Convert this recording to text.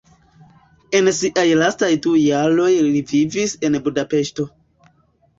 En siaj lastaj du jaroj li vivis en Budapeŝto.